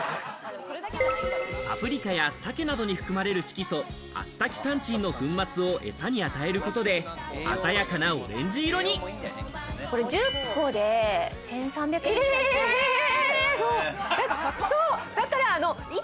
パプリカやサケなどに含まれる色素アスタキサンチンの粉末を餌に与えることで、これ１０個で１３００円くらい。